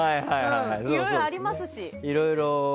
いろいろありますし。